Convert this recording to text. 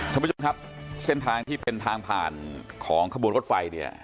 ท่านผู้ชมครับเส้นทางที่เป็นทางผ่านของขบวนรถไฟเนี่ย